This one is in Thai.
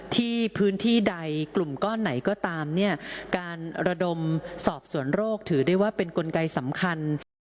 พื้นที่ใดกลุ่มก้อนไหนก็ตามเนี่ยการระดมสอบสวนโรคถือได้ว่าเป็นกลไกสำคัญ